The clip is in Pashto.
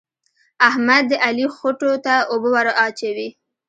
احمد د علي خوټو ته اوبه ور اچوي.